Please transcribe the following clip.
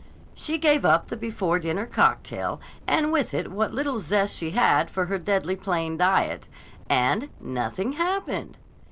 She gave up the before dinner cocktail and with it what little zest she had for her deadly plain diet—and nothing happened.